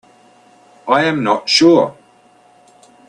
I am not sure.